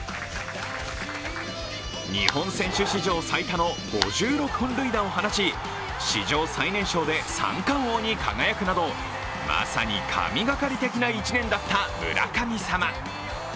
日本選手史上最多の５６本塁打を放ち史上最年少で三冠王に輝くなどまさに神がかり的な１年だった村神様。